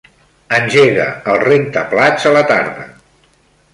Engega el rentaplats a la tarda.